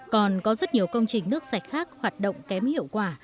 còn có rất nhiều công trình nước sạch khác hoạt động kém hiệu quả